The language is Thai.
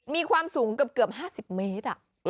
มีความสูงเกือบ๕๐เมตร